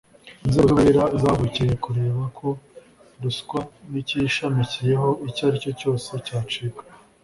Inzego z’ubutabera zahagurukiye kureba ko ruswa n’ikiyashamikiyeho icyo aricyo cyoze cyacika